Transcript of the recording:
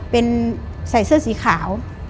เป็นใส่เสื้อสีขาว